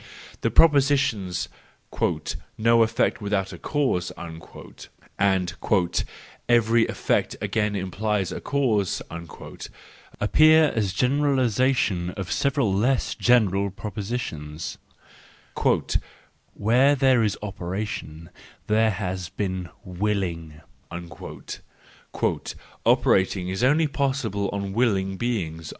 The propositions, "No effect without a cause," and "Every effect again implies a cause," appear as generalisations of several less general propositions : —"Where there is operation there has been willing "" Operating is only possible on willing beings."